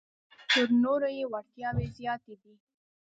تر نورو یې وړتیاوې زیاتې دي.